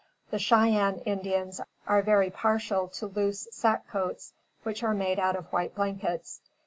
The Cheyenne Indians are very partial to loose sack coats which are made out of white blankets.